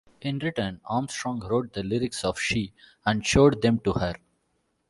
In return, Armstrong wrote the lyrics of "She" and showed them to her.